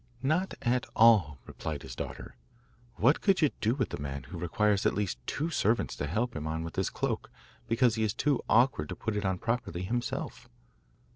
'Not at all,' replied his daughter; 'what could you do with a man who requires at least two servants to help him on with his cloak, because he is too awkward to put it on properly himself?